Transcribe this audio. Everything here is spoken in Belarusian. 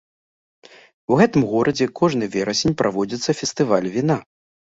У гэтым горадзе кожны верасень праводзіцца фестываль віна.